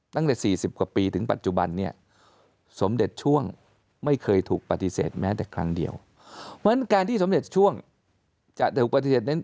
ตั้งแต่๔๐กว่าปีถึงปัจจุบันเนี่ยสมเด็จช่วงไม่เคยถูกปฏิเสธแม้แต่ครั้งเดียวเพราะฉะนั้นการที่สมเด็จช่วงจะถูกปฏิเสธนั้น